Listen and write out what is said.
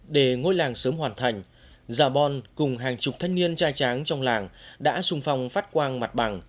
để ngôi làng sớm hoàn thành giả bon cùng hàng chục thanh niên trai tráng trong làng đã sung phong phát quang mặt bằng